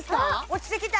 落ちてきた！